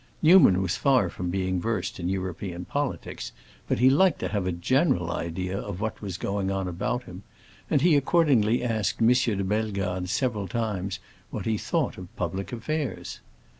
Newman was far from being versed in European politics, but he liked to have a general idea of what was going on about him, and he accordingly asked M. de Bellegarde several times what he thought of public affairs.